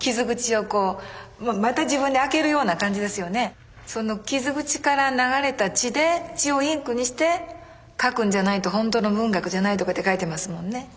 うんもうほんとにその傷口から流れた血で血をインクにして書くんじゃないと本当の文学じゃないとかって書いてますもんね。